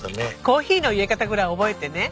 コーヒーのいれ方ぐらい覚えてね